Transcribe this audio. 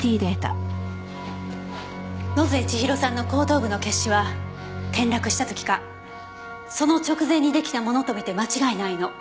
野添千尋さんの後頭部の血腫は転落した時かその直前に出来たものと見て間違いないの。